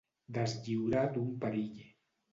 Deslliurar d'un perill.